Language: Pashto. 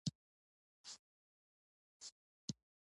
ایا ستاسو طبیعت به خوندي وي؟